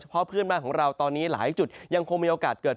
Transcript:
เพราะเพื่อนบ้านของเราตอนนี้หลายจุดยังคงมีโอกาสเกิด